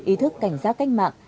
ý thức cảnh giác cách mạng